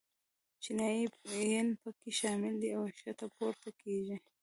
چینایي ین په کې شامل دي او ښکته پورته کېږي.